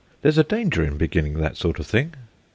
There's a danger in beginning that sort of thing."